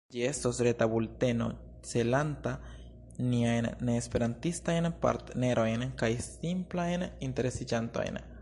Ĝi estos reta bulteno celanta niajn neesperantistajn partnerojn kaj simplajn interesiĝantojn.